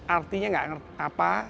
artinya gak ngerti apa